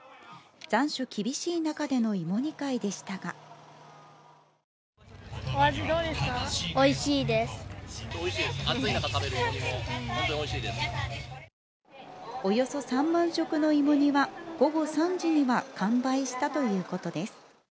残暑厳しい中での芋煮会でしたがおよそ３万食の芋煮は午後３時には完売したということです。